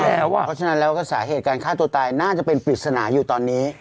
เพราะฉะนั้นแล้วก็สาเหตุการฆ่าตัวตายน่าจะเป็นปริศนาอยู่ตอนนี้